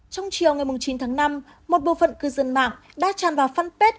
trong chiều ngày chín tháng năm một bộ phận cư dân mạng đã tràn vào phân pết